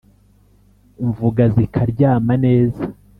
mvuga zikaryama neza